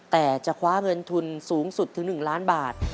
แต่จะคว้าเงินทุนสูงสุดถึง๑ล้านบาท